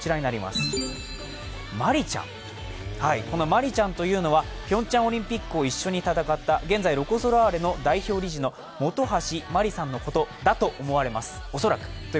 この麻里ちゃんというのはピョンチャンオリンピックを一緒に戦った、現在ロコ・ソラーレの代表理事の本橋麻里さんのことだと思われます。